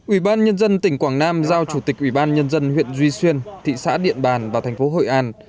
ủy ban nhân dân tỉnh quảng nam giao chủ tịch ủy ban nhân dân huyện duy xuyên thị xã điện bàn và thành phố hội an